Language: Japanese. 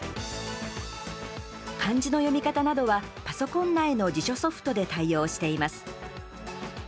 漢字の読み方などはパソコン内の辞書ソフトで対応しています。